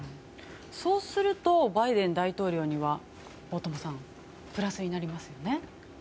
そうするとバイデン大統領には大友さんプラスにはなりますよね。